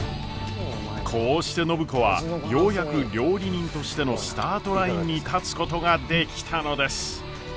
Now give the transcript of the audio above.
こうして暢子はようやく料理人としてのスタートラインに立つことができたのです。